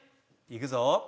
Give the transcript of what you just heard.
いくぞ。